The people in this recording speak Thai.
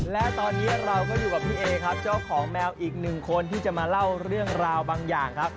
และตอนนี้เราก็อยู่กับพี่เอครับเจ้าของแมวอีกหนึ่งคนที่จะมาเล่าเรื่องราวบางอย่างครับ